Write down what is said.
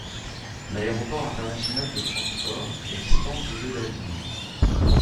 L’aéroport international de Francfort est distant de de la ville.